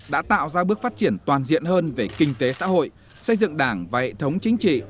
đã tạo ra bước phát triển toàn diện hơn về kinh tế xã hội xây dựng đảng và hệ thống chính trị